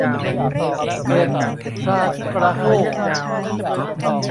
เกล็ดปลากระโห้